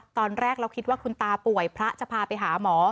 ตอนแรกเราคิดว่าคุณตาป่วยพระจะพาไปหาหมอ